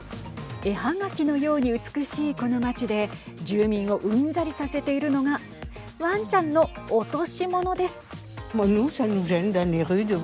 絵はがきのように美しいこの町で住民をうんざりさせているのがワンちゃんの落とし物です。